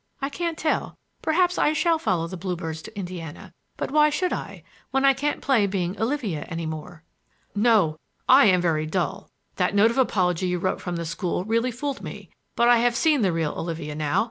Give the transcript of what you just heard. I can't tell; perhaps I shall follow the bluebirds to Indiana; but why should I, when I can't play being Olivia any more?" "No! I am very dull. That note of apology you wrote from the school really fooled me. But I have seen the real Olivia now.